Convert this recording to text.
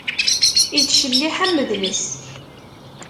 Ittcelliḥ am udles.